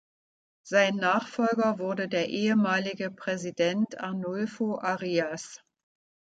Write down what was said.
Sein Nachfolger wurde der ehemalige Präsident Arnulfo Arias.